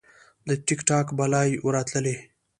له ټیک ټاک به لایو راتللی